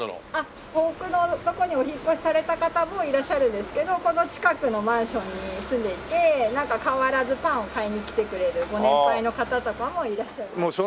遠くの所にお引っ越しされた方もいらっしゃるんですけどこの近くのマンションに住んでいてなんか変わらずパンを買いに来てくれるご年配の方とかもいらっしゃいます。